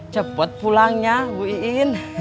cepat pulangnya bu iin